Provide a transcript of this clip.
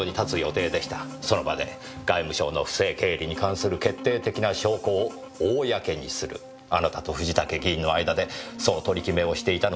その場で外務省の不正経理に関する決定的な証拠を公にするあなたと藤竹議員の間でそう取り決めをしていたのではありませんか？